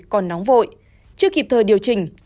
còn nóng vội chưa kịp thời điều chỉnh